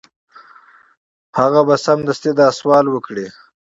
هغه به سمدستي دا سوال وکړي.